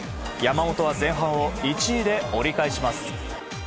山本は前半を１位で折り返します。